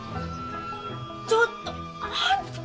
ちょっとあんた！